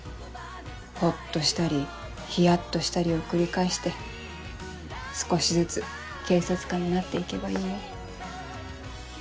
ほっとしたりヒヤっとしたりを繰り返して少しずつ警察官になって行けばいいよ。